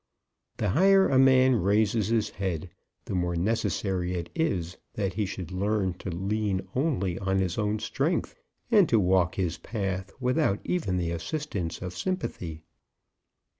The higher a man raises his head, the more necessary is it that he should learn to lean only on his own strength, and to walk his path without even the assistance of sympathy.